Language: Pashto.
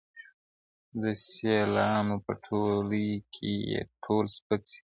د سیالانو په ټولۍ کي یې تول سپک سي-